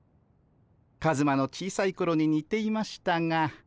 カズマの小さいころに似ていましたが。